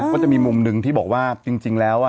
ก็จะมีมุมหนึ่งที่บอกว่าจริงแล้ว